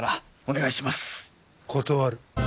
断る。